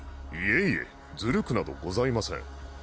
いえいえズルくなどございません。